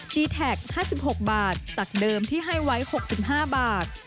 แท็ก๕๖บาทจากเดิมที่ให้ไว้๖๕บาท